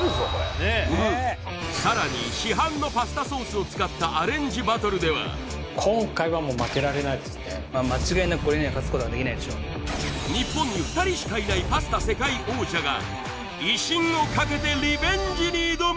さらに市販のパスタソースを使ったアレンジバトルでは日本に２人しかいないパスタ世界王者が威信をかけてリベンジに挑む